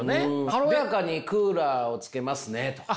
軽やかに「クーラーをつけますね」とか。